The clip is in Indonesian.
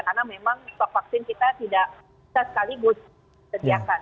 karena memang stok vaksin kita tidak bisa sekaligus sediakan